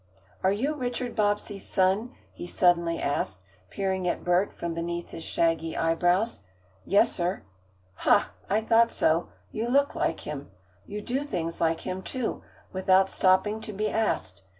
"Are you Richard Bobbsey's son?" he suddenly asked, peering at Bert from beneath his shaggy eyebrows. "Yes, sir." "Ha! I thought so. You look like him. You do things like him, too, without stopping to be asked.